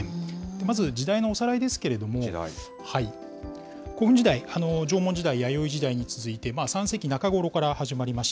まず時代のおさらいですけれども、古墳時代、縄文時代、弥生時代に続いて、３世紀中ごろから始まりました。